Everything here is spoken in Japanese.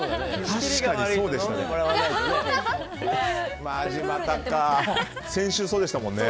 確かにそうでしたね。